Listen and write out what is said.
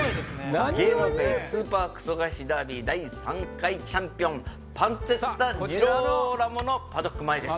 ダービー第３回チャンピオンパンツェッタ・ジローラモのパドック前です。